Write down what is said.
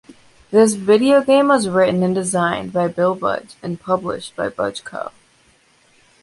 This video game was written and designed by Bill Budge and published by BudgeCo.